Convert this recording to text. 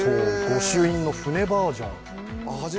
御朱印の船バージョン。